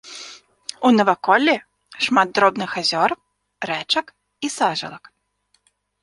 У наваколлі шмат дробных азёр, рэчак і сажалак.